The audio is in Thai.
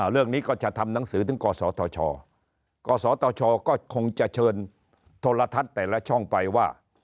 เรื่องนี้ก็จะทำหนังสือถึงกศธชกศตชก็คงจะเชิญโทรทัศน์แต่ละช่องไปว่า